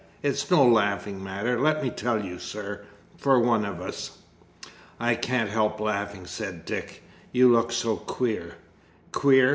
It's no laughing matter, let me tell you, sir, for one of us!" "I can't help laughing," said Dick; "you do look so queer!" "Queer!